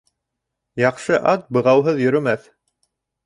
Яҡшы ат бығауһыҙ йөрөмәҫ.